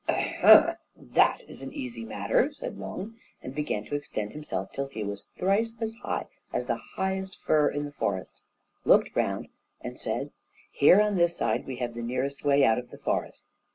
"Ahem! that's an easy matter," said Long, and began to extend himself till he was thrice as high as the highest fir in the forest, looked round, and said: "Here on this side we have the nearest way out of the forest."